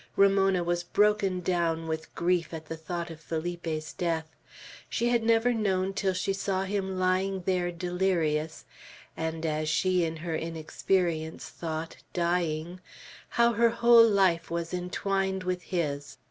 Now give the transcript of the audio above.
Ramona was broken down with grief at the thought of Felipe's death. She had never known till she saw him lying there delirious, and as she in her inexperience thought, dying, how her whole life was entwined with his.